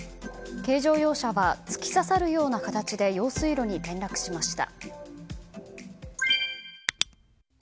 軽乗用車が突き刺さるような形で用水路に転落しました。